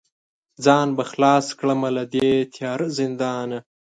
ځان به خلاص کړمه له دې تیاره زندانه